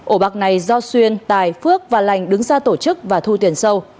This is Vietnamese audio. ổ bạc này do xuyên tài phước và lành đứng ra tổ chức và thu tiền sâu